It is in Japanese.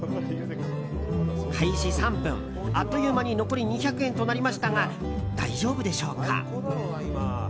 開始３分、あっという間に残り２００円となりましたが大丈夫でしょうか。